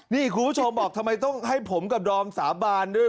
นี่คุณผู้ชมบอกทำไมต้องให้ผมกับดอมสาบานด้วย